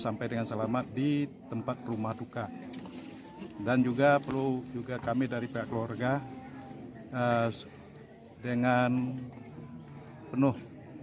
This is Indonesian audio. sampai dengan selamat di tempat rumah duka dan juga perlu juga kami dari pihak keluarga dengan penuh